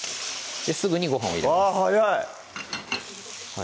すぐにご飯を入れますあっ早い！